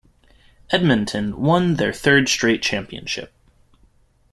Edmonton won their third-straight championship.